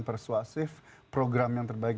persuasif program yang terbaik